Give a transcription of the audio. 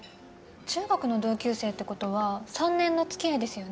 中学の同級生って事は３年の付き合いですよね？